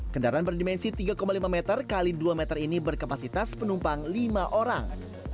kendaraan berdimensi tiga lima meter x dua meter ini berkapasitas penumpang lima orang